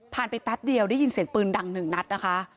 ไปแป๊บเดียวได้ยินเสียงปืนดังหนึ่งนัดนะคะ